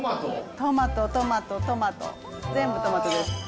トマト、トマト、トマト、全部トマトです。